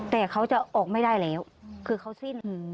แต่เขาจะออกไม่ได้แล้วคือเขาสิ้น